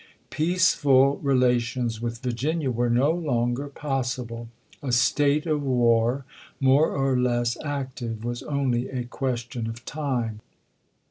Peaceful relations with Virginia were no longer possible ; a state of war, more or less active, was only a question of time.